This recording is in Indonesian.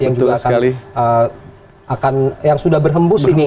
yang juga akan yang sudah berhembus ini